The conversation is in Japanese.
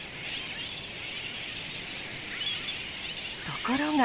ところが。